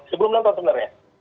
sebelum nonton sebenarnya